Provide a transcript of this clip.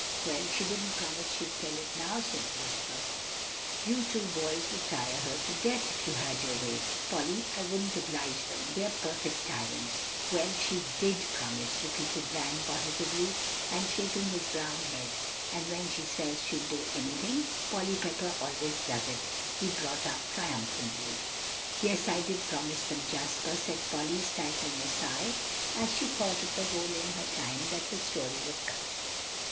"Well, she didn't promise she'd tell it now," said Jasper. "You two boys would tire her to death, if you had your way. Polly, I wouldn't oblige them; they're perfect tyrants." "Well, she did promise," repeated Van positively, and shaking his brown head; "and when she says she'll do anything, Polly Pepper always does it," he brought up triumphantly. "Yes, I did promise them, Jasper," said Polly, stifling a sigh, as she thought of the hole in her time that the story would cut.